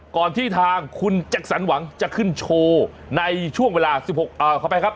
ก่อนที่ทางคุณแจ็คสันหวังจะขึ้นโชว์ในช่วงเวลาสิบหกเอ่อเข้าไปครับ